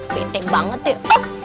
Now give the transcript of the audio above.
betek banget ya